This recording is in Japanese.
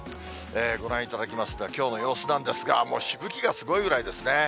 ご覧いただきますのはきょうの様子なんですが、もうしぶきがすごいぐらいですね。